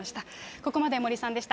ここまで森さんでした。